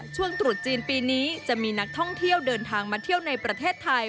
ตรุษจีนปีนี้จะมีนักท่องเที่ยวเดินทางมาเที่ยวในประเทศไทย